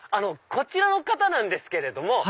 こちらの方なんですけれども。